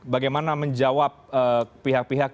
bagaimana menjawab pihak pihak